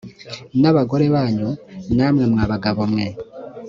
n abagore banyu namwe mwabagabo mwe